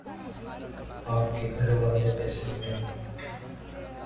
آپ کے گھر والے کیسے ہے